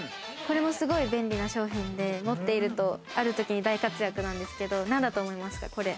これもすごく便利な商品で、持っていると、あるときに大活躍なんですけれど、なんだと思いますか？